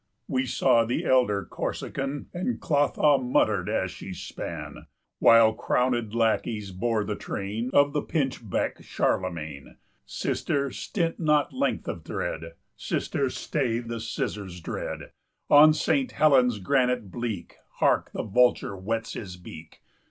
We saw the elder Corsican, 25 And Clotho muttered as she span, While crownèd lackeys bore the train, Of the pinchbeck Charlemagne: "Sister, stint not length of thread! Sister, stay the scissors dread! 30 On Saint Helen's granite bleak, Hark, the vulture whets his beak!"